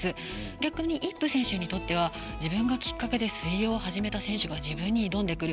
逆にイップ選手にとっては自分がきっかけで水泳を始めた選手が自分に挑んでくる。